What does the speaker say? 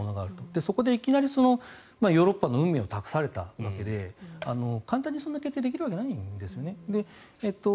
そこでいきなり、ヨーロッパの運命を託されたわけで簡単にそんな決定ができるわけないんですよね。